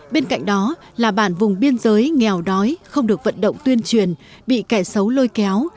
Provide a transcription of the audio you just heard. bên cạnh đó là bản vùng biên giới nghèo đói không được vận động tuyên truyền bị kẻ xấu lôi kéo